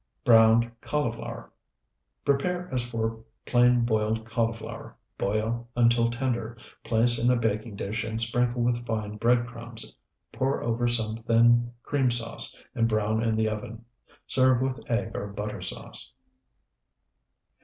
BROWNED CAULIFLOWER Prepare as for plain boiled cauliflower; boil until tender; place in a baking dish and sprinkle with fine bread crumbs; pour over some thin cream sauce, and brown in the oven. Serve with egg or butter sauce.